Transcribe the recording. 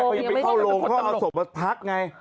เขาก็เอาศพมาพักไง